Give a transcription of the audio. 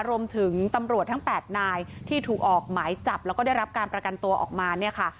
รวมถึงตำรวจทั้ง๘นายที่ถูกออกหมายจับแล้วก็ได้รับการประกันตัวออกมาเนี่ยค่ะ